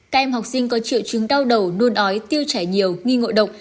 các em học sinh có triệu chứng đau đầu nôn ói tiêu chảy nhiều nghi ngộ độc